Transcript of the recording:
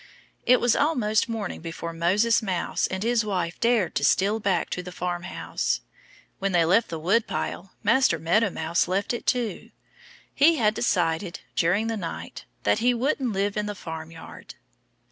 It was almost morning before Moses Mouse and his wife dared to steal back to the farmhouse. When they left the woodpile Master Meadow Mouse left it too. He had decided, during the night, that he wouldn't live in the farmyard.